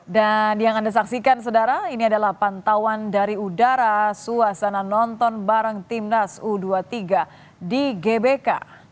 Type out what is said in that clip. dan yang anda saksikan saudara ini adalah pantauan dari udara suasana nonton bareng timnas u dua puluh tiga di gbk